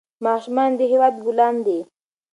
ماشومان د هېواد ګلان دي.